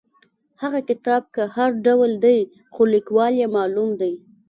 هغه کتاب که هر ډول دی خو لیکوال یې معلوم دی.